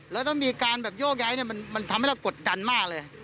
แล้วต้องมีการโยกย้ายมันทำให้เรากดดันมากเลย